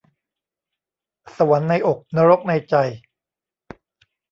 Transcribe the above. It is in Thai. สวรรค์ในอกนรกในใจ